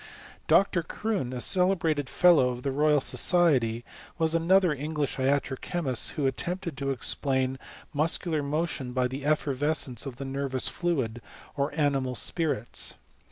Dr. Croone, a celebrated Fellow of the Royal So dety, was another English iatro chemist, who attempt ed to explain muscular motion by the effervescence of the nervous fluid, or animal spirits.